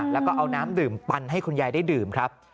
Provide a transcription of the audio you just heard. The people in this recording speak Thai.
แล้วก็เอาน้ำดื่มปันให้คุณยายได้ดื่มครับ